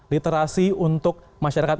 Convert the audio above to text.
literasi untuk masyarakat